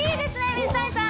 水谷さん